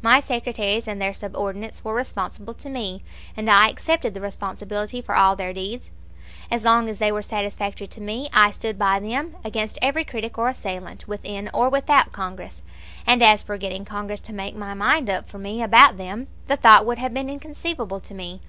My secretaries and their subordinates were responsible to me, and I accepted the responsibility for all their deeds. As long as they were satisfactory to me I stood by them against every critic or assailant, within or without Congress; and as for getting Congress to make up my mind for me about them, the thought would have been inconceivable to me.